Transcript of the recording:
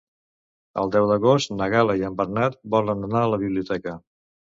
El deu d'agost na Gal·la i en Bernat volen anar a la biblioteca.